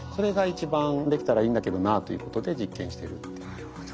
なるほど。